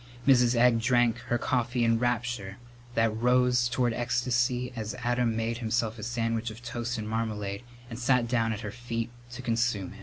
Mrs. Egg drank her coffee in rapture that rose toward ecstasy as Adam made himself a sandwich of toast and marmalade and sat down at her feet to consume it.